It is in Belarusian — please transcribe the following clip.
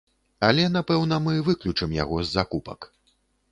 Але, напэўна, мы выключым яго з закупак.